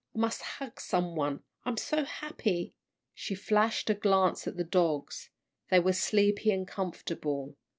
I mus' hug some one, I'm so happy!" She flashed a glance at the dogs. They were sleepy and comfortable.